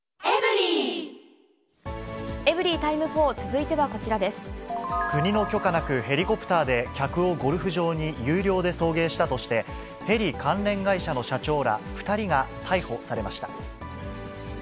エブリィタイム４、続いてはこち国の許可なく、ヘリコプターで客をゴルフ場に有料で送迎したとして、ヘリ関連会社の社長ら２人が逮捕されました。